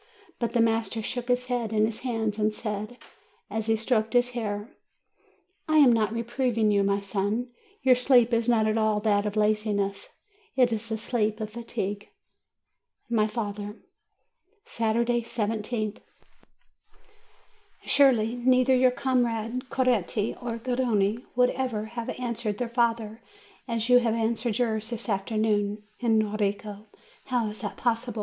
But the master took his head in his hands, and said, as he stroked his hair : "I am not reproving you, my son. Your sleep is not at all that of laziness; it is the sleep of fatigue." MY FATHER Saturday, I7th. Surely, neither your comrade Coretti nor Garrone would ever have answered their fathers as you answered yours this afternoon. Enrico! How is it possible?